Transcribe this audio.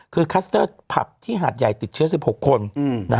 คือคลัสเตอร์ผับที่หาดใหญ่ติดเชื้อ๑๖คน